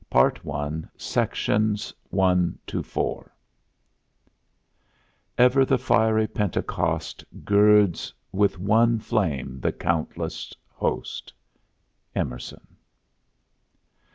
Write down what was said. THE PENTECOST OF CALAMITY Ever the fiery Pentecost Girds with one flame the countless host. EMERSON.